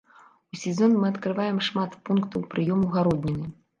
У сезон мы адкрываем шмат пунктаў прыёму гародніны.